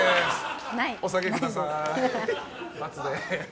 お下げください。×です。